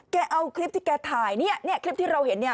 แกเอาคลิปที่แกถ่ายนี่คลิปที่เราเห็น